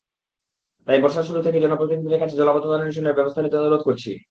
তাই বর্ষার শুরু থেকেই জনপ্রতিনিধিদের কাছে জলাবদ্ধতা নিরসনে ব্যবস্থা নিতে অনুরোধ করছি।